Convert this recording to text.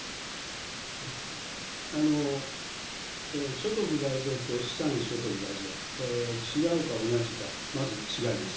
所得倍増と資産所得倍増、違うか同じか、まず違います。